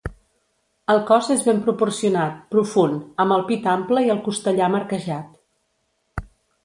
El cos és ben proporcionat, profund, amb el pit ample i el costellam arquejat.